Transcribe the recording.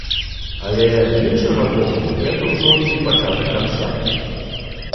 Але, з іншага боку, гэта ўжо і не пачатак канца.